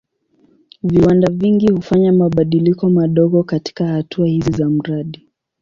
Viwanda vingi hufanya mabadiliko madogo katika hatua hizi za mradi.